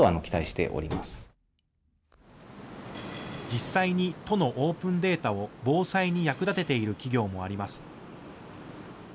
実際に都のオープンデータを防災に役立てている企業もあります。